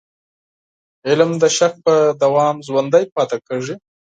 علم د شک په دوام ژوندی پاتې کېږي.